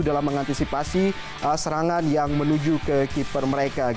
dalam mengantisipasi serangan yang menuju ke keeper mereka